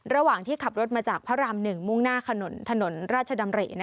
ระหว่างที่ขับรถมาจากพระราม๑มุ่งหน้าถนนราชดำริ